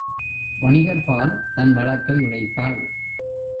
வணிகர்பால் தன் வழக்கை உரைத்தாள்.